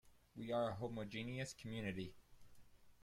We are a homogeneous community.